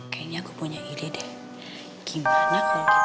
kayaknya aku punya ide deh gimana